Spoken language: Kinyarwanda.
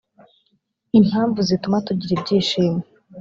impamvu zituma tugira ibyishimo